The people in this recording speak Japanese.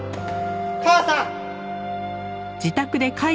母さん！